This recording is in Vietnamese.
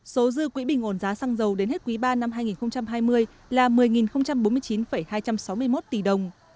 số dư quỹ bình ổn giá xăng dầu đến hết quý ba năm hai nghìn hai mươi là một mươi bốn mươi chín hai trăm sáu mươi một tỷ đồng